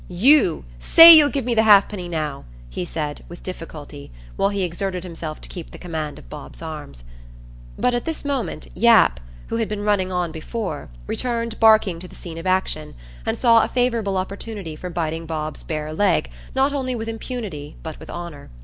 "You, say you'll give me the halfpenny now," he said, with difficulty, while he exerted himself to keep the command of Bob's arms. But at this moment Yap, who had been running on before, returned barking to the scene of action, and saw a favourable opportunity for biting Bob's bare leg not only with inpunity but with honour.